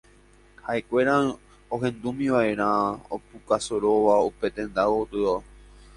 ha'ekuéra ohendúmiva'erã opukasoróva upe tenda gotyo